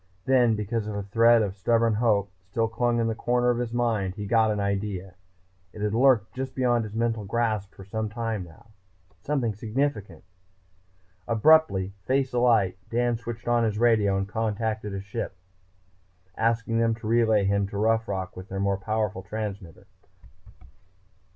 Then, because a thread of stubborn hope still clung in a corner of his mind, he got an idea. It had lurked just beyond his mental grasp for some time now. Something significant.... Abruptly, face alight, Dan switched on his radio and contacted a ship below, asking them to relay him to Rough Rock with their more powerful transmitter.